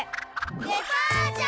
デパーチャー！